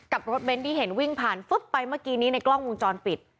รถเบนท์ที่เห็นวิ่งผ่านฟึ๊บไปเมื่อกี้นี้ในกล้องวงจรปิด